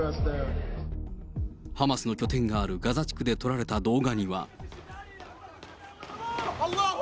ハマスの拠点があるガザ地区で撮られた動画には。